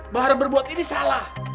bahar berbuat ini salah